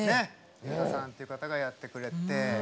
ＵＴＡさんという方がやってくれて。